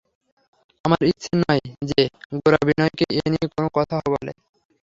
আমার ইচ্ছা নয় যে, গোরা বিনয়কে এ নিয়ে কোনো কথা বলে।